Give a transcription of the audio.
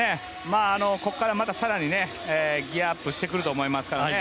ここからまた更に、ギヤアップしてくると思いますからね。